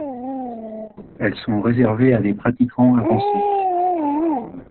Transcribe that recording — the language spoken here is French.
Elles sont réservées à des pratiquants avancés.